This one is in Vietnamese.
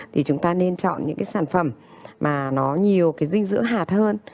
thì chúng ta nên chọn những cái sản phẩm mà nó nhiều cái dinh dưỡng hạt hơn